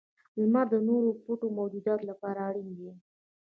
• لمر د نورو پټو موجوداتو لپاره اړین دی.